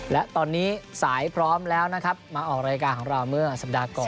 และตอนนี้สายพร้อมแล้วนะครับมาออกรายการของเราเมื่อสัปดาห์ก่อน